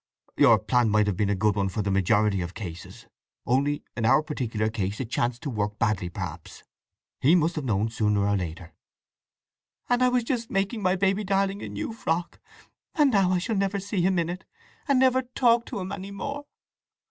"Your plan might have been a good one for the majority of cases; only in our peculiar case it chanced to work badly perhaps. He must have known sooner or later." "And I was just making my baby darling a new frock; and now I shall never see him in it, and never talk to him any more!